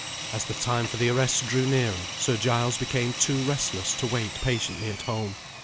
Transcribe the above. As the time for the arrest drew nearer, Sir Giles became too restless to wait patiently at home.